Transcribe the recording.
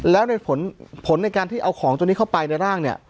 แล้วในผลในการที่เอาของตัวนี้เข้าไปในร่างเนี่ย